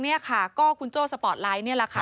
นี่ค่ะก็คุณโจ้สปอร์ตไลท์นี่แหละค่ะ